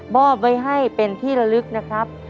อบไว้ให้เป็นที่ระลึกนะครับ